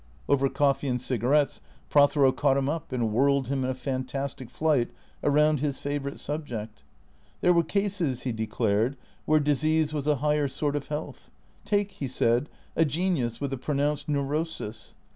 Over coffee and cigarettes Prothero caught him up and whirled him in a fantastic flight around his favourite subject. There were cases, he declared, where disease was a higher sort of health. " Take," he said, " a genius with a pronounced neu rosis.